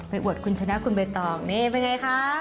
อวดคุณชนะคุณใบตองนี่เป็นไงคะ